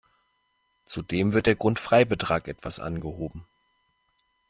Zudem wird der Grundfreibetrag etwas angehoben.